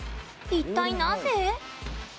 一体なぜ？